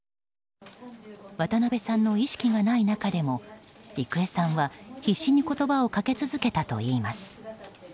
渡辺さんの意識がない中でも郁恵さんは必死に言葉をかけ続けたといいます。